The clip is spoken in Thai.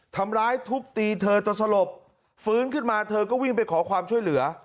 ทำร้ายทุบตีเธอจนสลบฟื้นขึ้นมาเธอก็วิ่งไปขอความช่วยเหลือ